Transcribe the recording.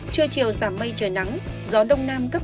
trưa chiều giảm mây trời nắng gió đông nam cấp hai ba